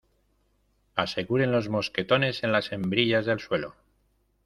aseguren los mosquetones en las hembrillas del suelo